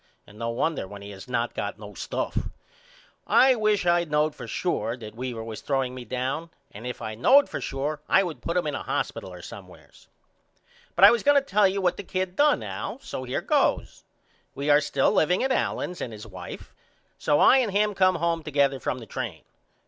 And no wonder when he has not got no stuff. I wish I knowed for sure that Weaver was throwing me down and if I knowed for sure I would put him in a hospital or somewheres. But I was going to tell you what the kid done Al. So here goes. We are still liveing at Allen's and his wife. So I and him come home together from the train.